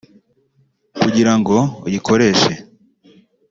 Kugira ngo uyikoreshe